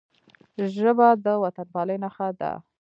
ژبه د وطنپالنې نښه ده